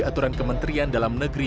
aturan kementerian dalam negeri